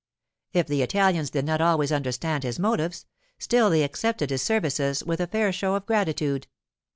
If the Italians did not always understand his motives, still they accepted his services with a fair show of gratitude.